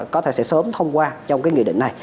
có thể sẽ sớm thông qua trong cái nghị định này